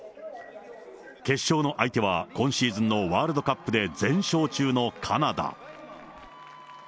決勝の相手は、今シーズンのワールドカップで全勝中のカナダ。